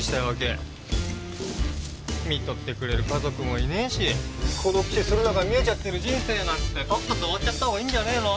看取ってくれる家族もいねえし孤独死するのが見えちゃってる人生なんてとっとと終わっちゃったほうがいいんじゃねえの？